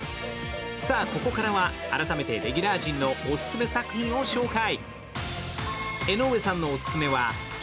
ここからは改めてレギュラー陣のオススメ作品を紹介。